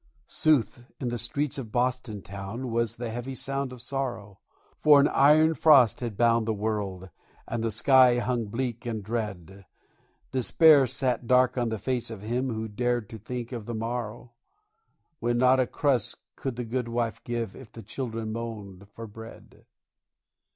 Sooth, in the streets of Boston town was the heavy sound of sorrow, For an iron frost had bound the wold, and the sky hung bleak and dread; Despair sat dark on the face of him who dared to think of the morrow, When not a crust could the goodwife give if the children moaned for bread.